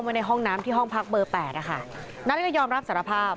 ในห้องน้ำที่ห้องพักเบอร์แปดนะคะนาริสก็ยอมรับสารภาพ